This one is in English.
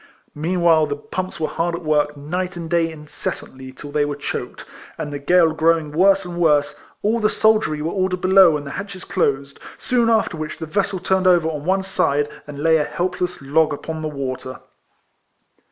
Meanwhile, the pumps were kept at work night and day in cessantly till they were choked ; and the gale growing worse and worse, all the soldiery were ordered below, and the hatches closed ; soon after w^hich the vessel turned over on one side, and lay a helpless log upon the water.